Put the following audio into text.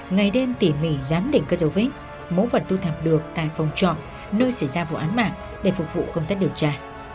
ngày đêm tỉ mỉ giám đỉnh các dấu vết mẫu vật thu thập được tại phòng trọ nơi xảy ra vụ án mạng để phục vụ công tác điều tra